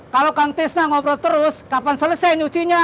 kalau kang tisna ngobrol terus kapan selesai nyucinya